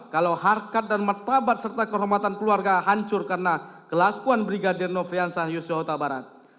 kalau harkat dan martabat serta kehormatan keluarga hancur karena kelakuan brigadir nofriansah yosua huta barat